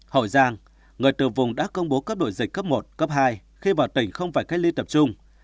hội giang người từ vùng đã công bố cấp độ dịch cấp một cấp hai khi vào tỉnh không phải cách ly tập trung